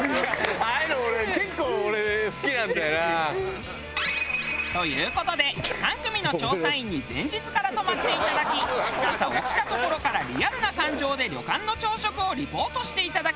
ああいうの俺結構好きなんだよな。という事で３組の調査員に前日から泊まっていただき朝起きたところからリアルな感情で旅館の朝食をリポートしていただきます。